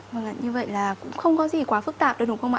vâng ạ như vậy là cũng không có gì quá phức tạp đúng không ạ